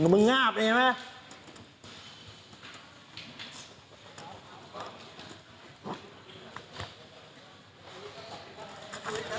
มึงงาบเห็นไหม